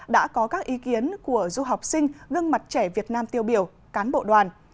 đã có các ý kiến của du học sinh gương mặt trẻ việt nam tiêu biểu cán bộ đoàn